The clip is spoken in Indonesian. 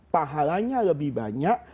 pahalanya lebih banyak